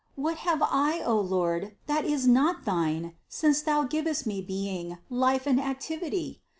What have I, O Lord, that is not thine, since Thou givest me being, life and activity?